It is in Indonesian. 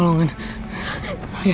saya berpengalaman banyak